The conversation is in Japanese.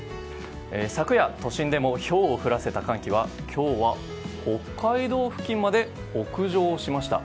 昨夜、都心でもひょうを降らせた寒気は今日は北海道付近まで北上しました。